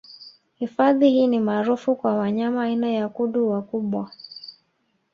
Hifadhi hii ni maarufu kwa wanyama aina ya kudu wakubwa